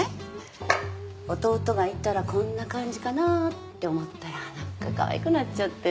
弟がいたらこんな感じかなって思ったら何かかわいくなっちゃって。